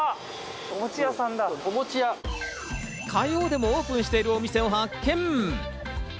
火曜でもオープンしているお店を発見。